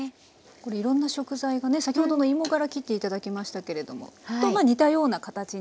これいろんな食材がね先ほどの芋がら切って頂きましたけれども似たような形にサイズがそろってますね。